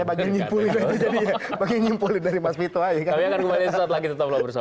saya bagi nyimpulin dari itu aja